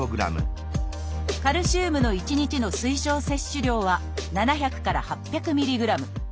カルシウムの１日の推奨摂取量は７００から８００ミリグラム。